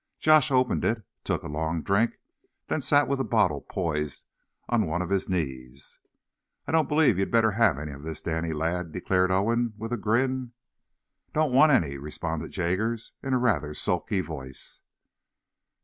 Josh opened it, took a long drink, then sat with the bottle poised on one of his knees. "I don't believe ye'd better have any of this, Danny, lad," declared Owen, with a grin. "Don't want any," responded Jaggers, in a rather sulky voice.